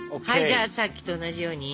じゃあさっきと同じように。